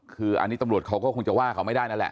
คืออันนี้ตำรวจเขาก็คงจะว่าเขาไม่ได้นั่นแหละ